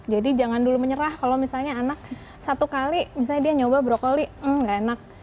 jadi jangan dulu menyerah kalau misalnya anak satu kali misalnya dia nyoba brokoli hmm gak enak